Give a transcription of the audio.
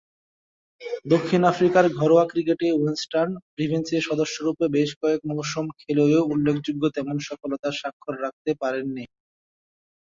দক্ষিণ আফ্রিকার ঘরোয়া ক্রিকেটে ওয়েস্টার্ন প্রভিন্সের সদস্যরূপে বেশ কয়েক মৌসুম খেললেও উল্লেখযোগ্য তেমন সফলতার স্বাক্ষর রাখতে পারেননি।